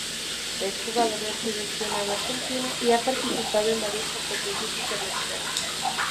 Es jugador del seleccionado argentino y ha participado en varias competencias internacionales.